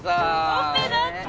オペだって！